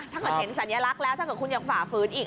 ถ้าเกิดเห็นสัญลักษณ์แล้วถ้าเกิดคุณยังฝ่าฝืนอีก